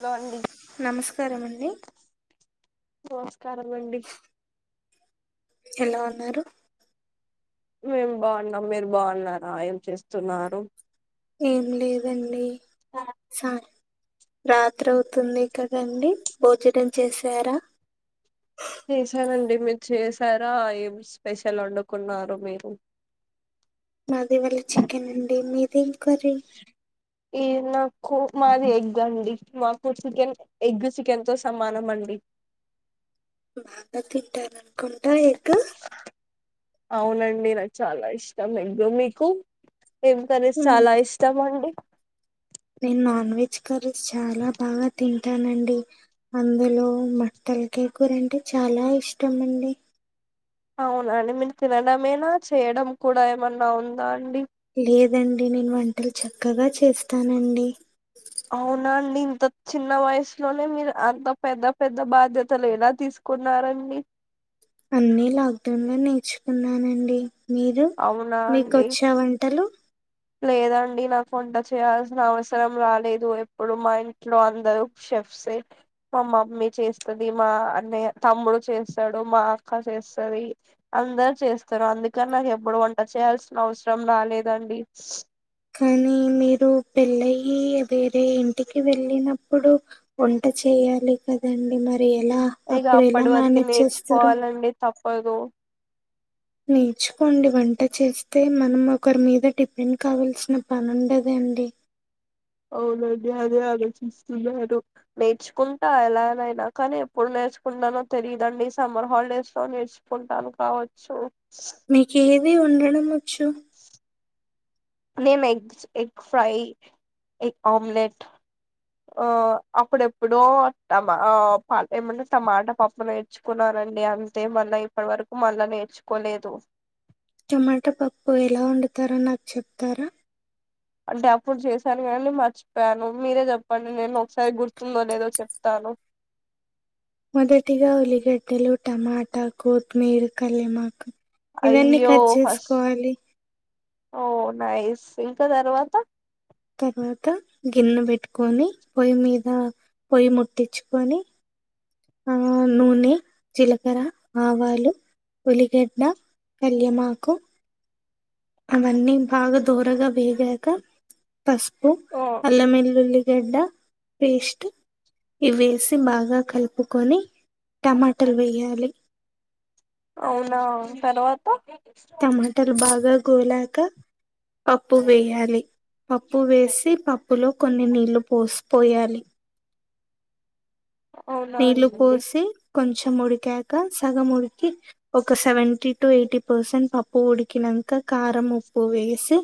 Hello అండి నమస్కార అండి నమస్కారం అండి ఎలా ఉన్నారు మేము బాగున్నాం మీరు బాగున్నారు రా ఏం చేస్తున్నారు ఏం లేదండి సార్ రాత్రవుతుంది కదండి భోజనం చేశారా చేశనండి మీరు చేసారా ఏం స్పెషల్ వండుకున్నారు మీరు మాది వాళ్ళ చికెన్ అండి మీది ఏం కర్రీ ఈ నాకు మాది ఎగ్ అండి మాకు చికెన్ ఎగ్ చికెన్ తో సమానం అండి బాగా తింటాన కొంటారా ఎగ్ అవునండి నాకు చాలా ఇష్టం ఎగ్గు మీకు ఏం కర్రీస్ మ్మ్. చాలా ఇష్టం అండి నేను నాన్ వెజ్ కర్రీ చాలా బాగా తింటా తింటానండి అందులో మటన్ తలకాయ కూర అంటే చాలా ఇష్టం అండి అవునండి మీరు తినడమేనా చేయడం కూడా ఏమన్నా ఉందా అండి లేదండి నేను వంటలు చక్కగా చేస్తానండి అవునా అండి ఇంత చిన్న వయసులోనే మీరు అంత పెద్ద పెద్ద బాధ్యతలు ఎలా తీసుకున్నారండి అన్ని లాక్ డౌన్ లో నేర్చుకున్నానండి మీరు అవునా మీకు అండి వచ్చే వంటలు లేదండి నాకు వంట చేయాల్సిన అవసరం రాలేదు ఎప్పుడు మా ఇంట్లో అందరు షెఫ్సే మా మమ్మీ చేస్తుంది మా అన్నయ్య తమ్ముడు చేస్తాడు మా అక్క చేస్తుంది అందరు చేస్తారు అందుకని నాకు ఎప్పుడు వంట చేయాల్సిన అవసరం రాలేదండి డోర్ సౌండ్ కానీ మీరు పెళ్ళయి వేరే ఇంటికి వెళ్ళినప్పుడు వంట చేయాలి కదండి మరి అప్పుడు ఎలా ఇక అప్పుడు ఎలా అప్పటి వరకు మేనేజ్ చేస్తారు నేర్చుకోవాలండి తప్పదు నేర్చుకోండి వంట చేస్తే మనం ఒకరి మీద డిపెండ్ కావల్సిన పని ఉండద అండి అవునండి అదే ఆలోచిస్తున్నారు నేర్చుకుంటా ఎలానైనా కానీ ఎప్పుడు నేర్చుకుంటునో తెలియదండి సమ్మర్ హాలిడేస్ లో నేర్చుకుంటాను కావచ్చు మీకే మేము ఉండడము ఉండొచ్చు నేను egg egg fry egg omelette ఆ అప్పుడ ఎప్పుడో టమా ఏమంటే టమాటా పప్పు నేర్చుకున్నానండి అంతే మళ్ళీ ఇప్పటి వరకు మళ్ళా నేర్చుకోలేదు టమాటా పప్పు ఎలా వండుతారో నాకు చెప్తారా అంటే అప్పుడు చేశాను కదండి మర్చిపోయాను మీరే చెప్పండి నేను ఒకసారి గుర్తుందో లేదో చెప్తాను మొదటిగా ఉలిగడ్డలు టమాటా కొత్మీర కల్లెమకు ఇవన్నీ అయ్యో కట్ ఫస్ట్ చేసుకోవాలి ఓ నైస్ ఇంకా తర్వాత తర్వాత గిన్నె పెట్టుకొని పొయ్యి మీద పొయ్యి ముట్టించుకొని ఆ నూనె, జీలకర్ర, ఆవాలు, ఉలిగడ్డ, కాలేమకు అవన్నీ బాగా దోరగా వేగాక పసుపు, ఓ అల్లం వెల్లుల్లి గాడ్డ పేస్టి ఇవేసి బాగా కలుపుకొని టమాటలు వేయాలి అవునా తర్వాత టమాటాలు బాగా గోలాక పప్పు వేయాలి పప్పు వేసి పప్పులో కొన్ని నీళ్లు పోస్ పోయాలి అవునా నీళ్ళు అండి పోసి కొంచెం ఉడికాక సగం ఉడికి ఒక సెవెంటీ టు ఎయిటీ పర్సెంట్ పప్పు ఉడికినాక కారం ఉప్పు వేసి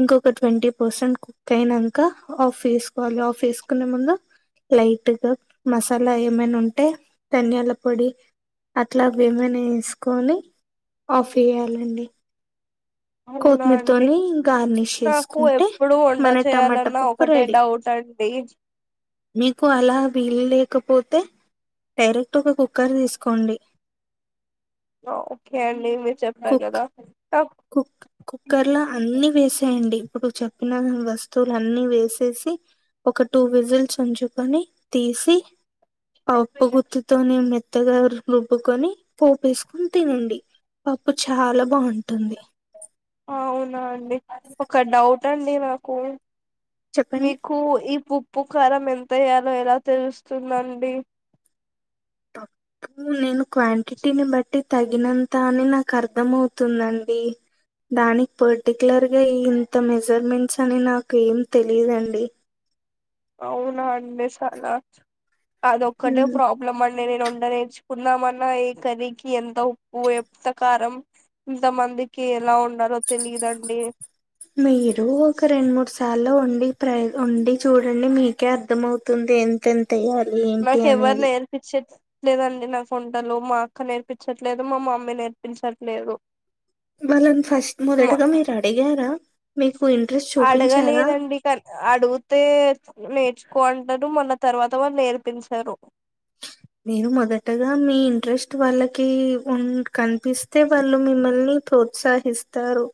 ఇంకొక ట్వంటీ పర్సెంట్ కుక్ అయినాక ఆఫ్ వేసుకోవాలి ఆఫ్ వేసుకునే ముందు లైట్గా మసాలా లా ఏమైనా ఉంటే ధనియాల పొడి అట్లావి ఏమైనా వేసుకొని ఆఫ్ వేయాలండి అవునా అండి కొత్తిమీరతోని గార్నిష్ నాకు చేసుకుంటే ఎప్పుడు వంట మన టమాటా చేయాలన్నా పప్పు ఒకటే రెడీ డౌట్ అండి మీకు అలా వీలులేక కపోతే డైరెక్ట్ గా కుక్కర్ తీసుకోండి ఓకే అండి మీ చెప్ప కుక్ కదా కుక్ కుక్కర్ లో అన్ని వేసేయండి ఇప్పుడు చెప్పిన వస్తువులున్నీ వేసేసి ఒక టూ విజిల్స్ ఉంచుకొని తీసి ఆ పప్పు గుత్తితోనీ మెత్తగా రుబ్బకొని పోపేసుకొని తినండి పప్పు చాలా బాగుంటు ఉంటంది అవునా అండి ఒక డౌట్ అండి నాకు చెప్పండి మకు ఈ పప్పు ఉప్పు కారం ఎంతయ్యాలో ఎలా తెలుస్తుందండి పప్పు నేను క్వాంటిటీని బట్టి తగినంత అని నాకు అర్థంమవుతుందండి దానికి పర్టికలర్గా ఇంత మెజర్మెంట్స్ అని నాకు ఏం తెలియదండి అవునా అండి [unintelligible] అది ఒక్కటె ప్రాబ్లమ్ అండి నేను వంట నేర్చుకున్నామన్నా ఈ కర్రీకి ఎంత ఉప్పు ఎంతకారం ఇంత మందికి ఎలా ఉండాలో తెలియదండి. మీరు ఒక రెండు మూడు సార్లు అలో వండి ట్రై వండి చూడండి మీకే అర్థంమవుతుంది ఎంతంత నాకెవరు లేరు నేర్పించేకి లేదండి నాకు వంటలు మా అక్క నేర్పించట్లేదు మా మమ్మీ నేర్పించట్లేదు వాళ్ళని ఫస్ట్ మా మొదటగా మీరు అడిగారా మీకు ఇంట్రెస్ట్ చూపించారా అడగలేదండి క అడుగితే కోంటారు మళ్ళ తర్వాత వాళ్ళు నేర్పించరు నేను మొదటగా మీ ఇంట్రెస్ట్ వాళ్ళకి ఉన్ కనిపిస్తే పిస్తే వాళ్ళు మిమ్మల్ని ప్రోత్సహిస్తారు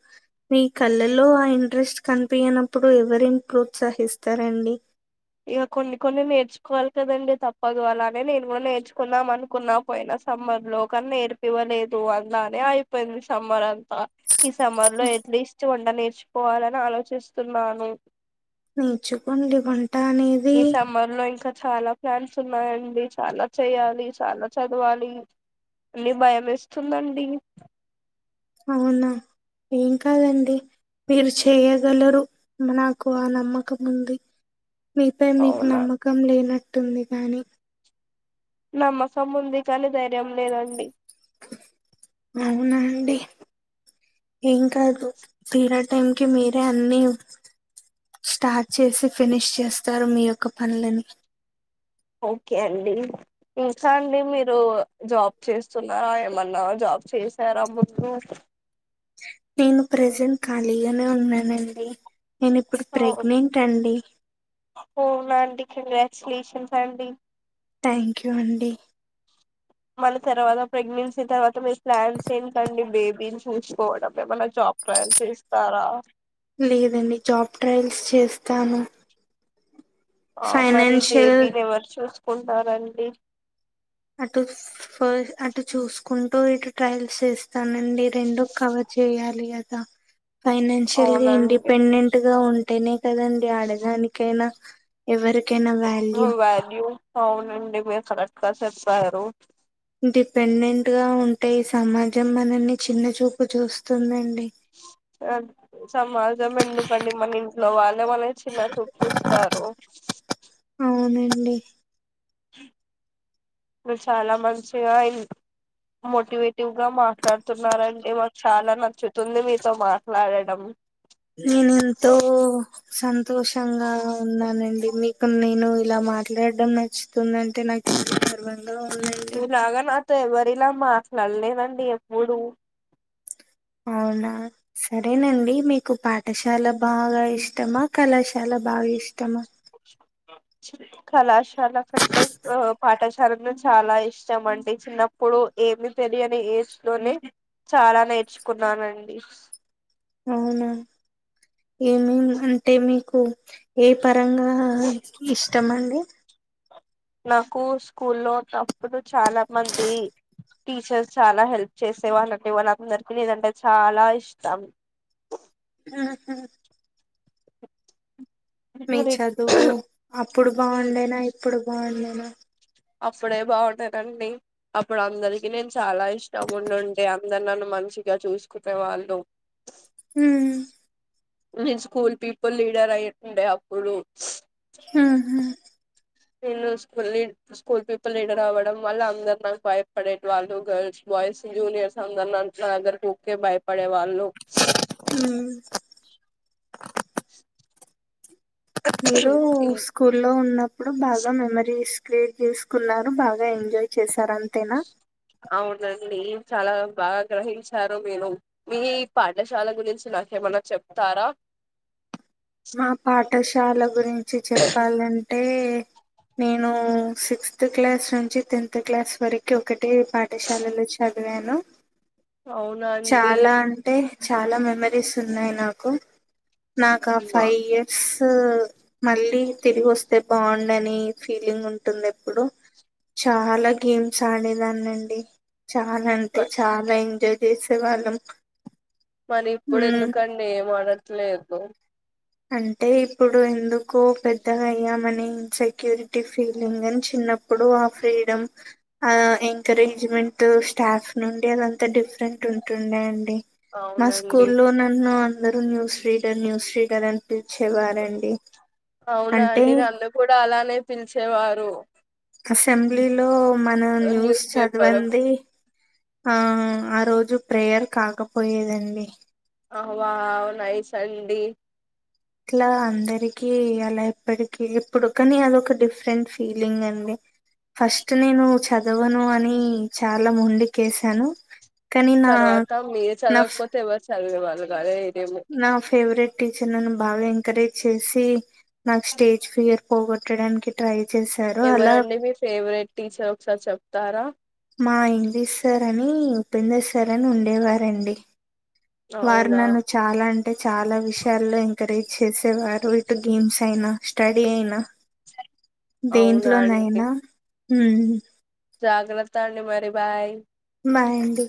మీ కళ్ళల్లో ఆ ఇంట్రెస్ట్ కనిపియనప్పుడు ఎవరేం ప్రోత్సహిస్తారండి ఇక కొన్ని కొన్ని నేర్చుకోవాలి కదండి తప్పదు. అలానే నేను కూడా నేర్చుకుందాం అనుకున్నా పోయిన సమ్మర్ లో. కానీ నేర్పివ్వలేదు అలానే అయిపోయింది సమ్మర్ అంతా. ఈ సమ్మర్ లో ఎట్లీస్ట్ వంట నేర్చుకోవాలని నేర్చుకోవాలని ఆలోచిస్తున్నాను నేర్చుకోండి వంట అనేది ఈ సమ్మర్ లో ఇంకా చాలా ప్లాన్స్ ఉన్నాయండి చాలా చెయ్యాలి చాలా చదవాలి అన్ని భయమేస్తుందండి అవునా ఏం కాదండి మీరు చేయగలరు నాకు ఆ నమ్మకం ఉంది మీపై మీకు అవునా నమ్మకం లేనట్టు ఉంటుంది కానీ నమ్మకం ఉంది కానీ ధైర్యం లేదండి అవునా అండి ఏం కాదు మీరా టైంకిి మీరే అన్ని స్టార్ట్ చేసి ఫినిష్ చేస్తారు మీ యొక్క పనులని. ఓకే అండి ఇంకా అండి మీరు జాబ్ చేస్తున్నారా ఏమన్నా జాబ్ చేసారా ముందు నేను ప్రెజెంట్ ఖాళీగానే ఉన్నానండి నేను ఇప్పుడు అవును ప్రెగ్నెంట్ అండి అవునా అండి కంగ్రాచులేషన్స్ అండి థ్యాంక్ యూ అండి మల్లి తర్వాత ప్రెగ్నెన్సీ తర్వాత మీ ప్లాన్స్ ఏంటండి బేబీని చూసుకోవడం ఏమైనా జాబ్ ట్రయిల్ చేస్తారా లేదండి జాబ్ ట్రయల్స్ చేస్తాను ఆ మరి ఫైనాన్షియల్ బేబీని ఎవరు చూసుకుంటారు ఉంటారండి కుంటూ ఇటు ట్రయల్స్ చేస్తానండి రెండు కవర్ చేయాలి కదా ఫైనాన్షియల్ గా అవునండి ఇండిపెండెంట్ గా ఉంటేనే కదండి ఆడదానికైనా ఎవరికైనా ఎవరికైనా వ్యాల్యూ వాల్యూ అవునండి మీరు కరెక్ట్గా చెప్పారు ఇండిపెండెంట్ గా ఉంటే ఈ సమాజం మనల్ని చిన్న చూపు చూస్తుందండి సమాజం ఎందుకండి మన ఇంట్లో వాళ్ళు [unintelligible] వాళ్ళని చిన్మచూపు చూస్తారు డి మీరు చాలా మంచిగా ఇ మోటివేటివ్ గా మాట్లాడుతున్నారండి. మాకు చాలా నచ్చుతుంది మీతో మాట్లాడడం. నేను ఎంతో సంతోషంగా ఉన్నానండి మీ కు నేను ఇలా మాట్లాడడం నచ్చుతుంది అంటే నాకు గర్వంగా ఉందండి మీ లాగా నా తో ఎవరిలా మాట్లాడలేదండి ఎప్పుడు అవునా సరేనండి మీకు పాఠశాల బాగా ఇష్టమా కళాశాల బాగా ఇష్టమా కళాశాల కంటే ఆ పాఠశాలే చాలా ఇష్టమండి చిన్నప్పుడు ఏమి తెలియని ఏజ్ లోనే చాలా నేర్చుకున్నానండి. అవునా ఏమేమి అంటే మీకు ఏ పరంగా ఇష్టమండి. నాకు స్కూ ల్లో ఉన్నప్పుడు చాలా మంది టీచర్స్ చాలా హెల్ప్ చేసే వాళ్ళండి వాళ్లందరికీ నీనంటే చాలా ఇష్టం ఆహా మీ మరి చదువు అప్పుడు బాగుండేనా ఇప్పుడు బాగుండే నా అప్పుడే బాగుండేదండి అప్పుడు అందరికి నేను చాలా ఇష్టం ఉండుండే అందరు నన్ను మంచిగా చూసుకునే వాళ్ళు ఉమ్ నేను స్కూల్ పీపుల్ లీడర్ అయుండే అప్పుడు హుహు నేను స్కూల్ లీ స్కూల్ పీపుల్ లీడర్ అవ్వడం వల్ల అందరు నాకు భయపడేటి వాళ్ళు గర్ల్స్ బాయ్స్ జూనియర్స్ అందరు నా అందరికి ఊర్కే భయపడే వాళ్ళు హలో ఉమ్ మీరు స్కూ ల్లో ఉన్నప్పుడు బాగా మెమోరీస్ క్రెట్ తీసుకున్నారు బాగా ఎంజాయ్ చేశారం తేనా అవునండి చాలా బాగా గ్రహించారు మీరు మీ పాఠశాల గురించి నాకేమన్నా చెప్తారా. మా పాఠశాల గురించి చెప్పాలంటే నేను సిక్స్త్ క్లాస్ నుంచి టెన్త్ క్లాస్ వరకు ఒక ఒకటే పాఠశాలలో చ చదివాను అవునండి చాలా అంటే చాలా మెమొరీస్ ఉన్నాయి నాకు నాకా ఫైవ్ ఇయర్స్ ఇప్పుడు మళ్ళీ తిరిగి వస్తే బాగుండని ఫీలింగ్ ఉంటుంది ఎప్పుడు చాలా గేమ్స్ ఆడేదాన్ని అండి చాలా అంటే చాలా ఎంజాయ్ చేసే వాళ్ళం మరి ఇప్పుడు ఎందుకండి ఏమో అ ట్లేదు అంటే ఇప్పుడు, ఎందుకు పెద్దగయ్యామనీ ఇన్సెక్యూరిటీ ఫీలింగ్ అని చిన్నప్పుడు, ఆ ఫ్రీడమ్, ఆ ఎంకరేజ్మెంట్, స్టాఫ్ నుండి అదంతా డిఫరెంట్ ఉంటుండ అండి. మా అవునండి స్కూల్లో నన్ను అందరూ న్యూస్ రీడర్, న్యూస్ రీడర్ అన్ పిల్చేవారండి. అవునా అండి! నన్ను కూడ అలానె పిలిచేవారు. అసెంబ్లీలో మన న్యూస్ చదవంది ఆ. ఆ రోజు ప్రేయర్ కాకపోయేదండి. అ వావ్ నైస్ అండి. ఇట్లా అందరికి అలా ఎప్పటికి, ఎప్పుడు, కాని అదొక డిఫరెంట్ ఫీలింగ్ అండి. ఫస్ట్ నేను చదవను అని చాలా మొండికేశాను. తర్వాత మీర్ చదవకపోతే, ఎవరు చదివేవాళ్ళు గాదె నా ఫేవరెట్ టీచర్ నన్ను బాగ ఎంకరేజ్ చేసి, నాకు స్టేజ్ ఫియర్ పోగొట్టడానికి ట్రై చేశారు అలా ఎవరండీ మీ ఫెవరెట్ టీచర్? ఒకసారి చెప్తారా? మా హింది సార్ అని ఉపేందర్ సర్ అని ఉండేవారండి. వారు అవునా నన్ను చాల అన్ అంటే, చాలా విషయాల్లో ఎంకరేజ్ చేసేవారు. ఇటు గేమ్స్ అయినా! స్టడీ అయినా! అవునా అండి దేంట్లోనయనా, మ్మ్ జాగ్రత్త అండి మరి, బాయ్. బాయండి.